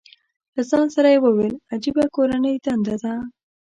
له ځان سره یې وویل، عجیبه کورنۍ دنده ده.